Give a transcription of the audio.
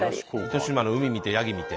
糸島の海見てやぎ見て。